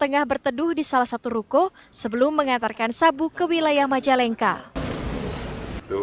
tengah berteduh di salah satu ruko sebelum mengantarkan sabu ke wilayah majalengka